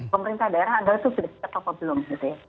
pemerintah daerah adalah itu sudah siap atau belum